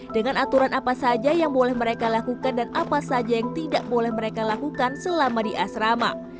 dengan aturan apa saja yang boleh mereka lakukan dan apa saja yang tidak boleh mereka lakukan selama di asrama